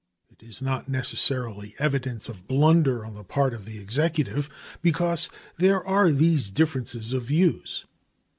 It is not necessarily evidence of blunder on the part of the Executive because there are these differences of views.